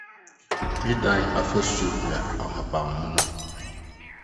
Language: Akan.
Me dan afasu yɛ ahabammono.